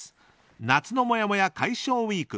夏のもやもや解消ウィーク！